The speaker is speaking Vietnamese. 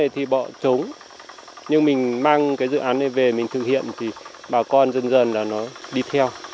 thì bỏ trống nhưng mình mang cái dự án này về mình thực hiện thì bà con dần dần là nó đi theo